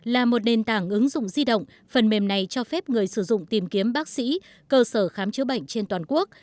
là một nền tảng ứng dụng di động phần mềm này cho phép người sử dụng tìm kiếm bác sĩ cơ sở khám chữa bệnh trên toàn quốc